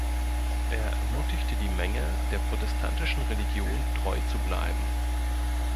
Er ermutigte die Menge, der protestantischen Religion treu zu bleiben.